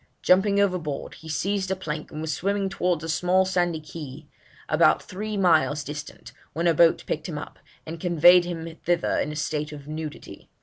Jumping overboard, he seized a plank, and was swimming towards a small sandy quay (key) about three miles distant, when a boat picked him up, and conveyed him thither in a state of nudity.